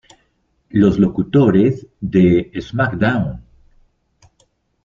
Los locutores de SmackDown!